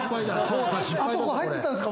あそこ入ってたんですか？